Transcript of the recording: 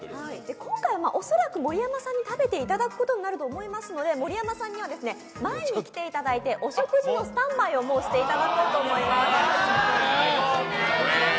今回恐らく盛山さんに食べていただくことになると思いますので盛山さんには前に来ていただいてお食事のスタンバイをもう、していただこうと思います。